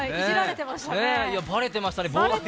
ばれてましたね。